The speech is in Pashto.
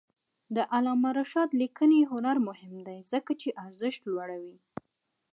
د علامه رشاد لیکنی هنر مهم دی ځکه چې ارزښت لوړوي.